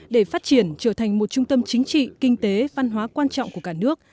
để phát triển trở thành một trung tâm chính trị kinh tế văn hóa quan trọng của cả nước